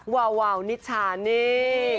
วาวาวนิชานี่